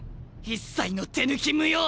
一切の手抜き無用！